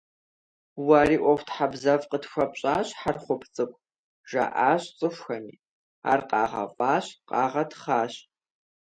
«Уэри ӀуэхутхьэбзэфӀ къытхуэпщӀащ, Хьэрхъуп цӀыкӀу», - жаӀащ цӀыхухэми, ари къагъэфӀащ, къагъэтхъащ.